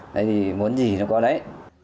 đấy thì muốn gì nó có đấy